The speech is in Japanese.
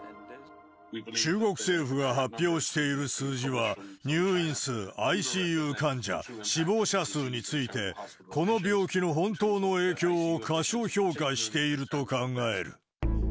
中国政府が発表している数字は、入院数、ＩＣＵ患者、死亡者数について、この病気の本当の影響を過小評価していると考える。